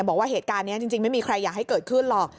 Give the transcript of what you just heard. บอกว่าเหตุการณ์นี้จริงไม่มีใครอยากให้เกิดขึ้นหรอก